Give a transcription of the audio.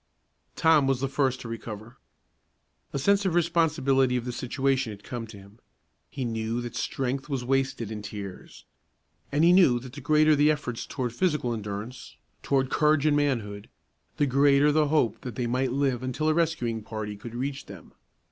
Tom was the first to recover. A sense of the responsibility of the situation had come to him. He knew that strength was wasted in tears. And he knew that the greater the effort towards physical endurance, towards courage and manhood, the greater the hope that they might live until a rescuing party could reach them.